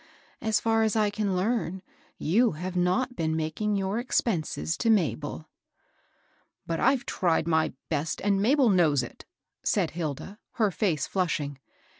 So far as I can learn, yon have not been making your expenses to Ma bel." " But IVe tried my best, and Mabel knows it,'* said Hilda, her face flushing.